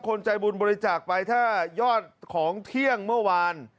ใจบุญบริจาคไปถ้ายอดของเที่ยงเมื่อวาน